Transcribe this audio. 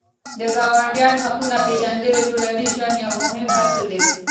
د ګاونډیانو حقونه پېژندل د ټولنیز ژوند یو مهم اصل دی.